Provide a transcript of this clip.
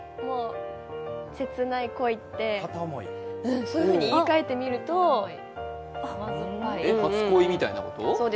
切ない恋って、言い換えてみるとそういうふうに言い換えてみると初恋みたいなこと？